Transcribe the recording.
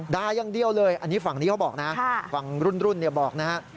ด่ายังเดียวเลยฝั่งนี้เขาบอกนะฝั่งรุ่นบอกนะ